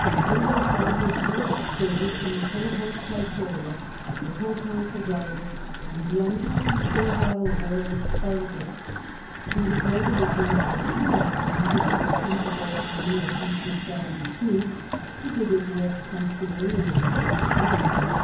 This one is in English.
Cato saw his first service in the cohors praetoria of the proconsul Gellius, in the unhappy Servile War with Spartacus. He was noted as one of the few officers in the contemptible army of B.c. 72 who did his work punctually and in telligently.